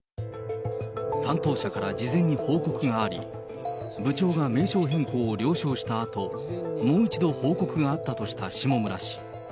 担当者から事前に報告があり、部長が名称変更を了承したあと、もう一度報告があったとした下村氏。